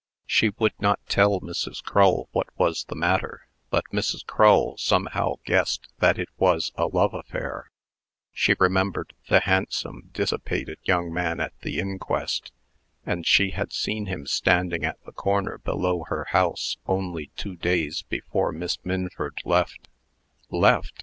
She would not tell Mrs. Crull what was the matter, but Mrs. Crull somehow guessed that it was a love affair. She remembered the handsome, dissipated young man at the inquest, and she had seen him standing at the corner below her house, only two days before Miss Minford left. "Left!"